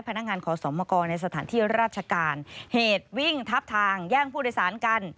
ขอสมกรในสถานที่ราชการเหตุวิ่งทับทางแย่งผู้โดยสารกัน